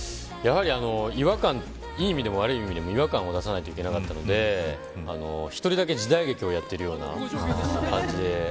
やはりいい意味でも悪い意味でも違和感を出さないといけなかったので一人だけ時代劇をやっているような感じで。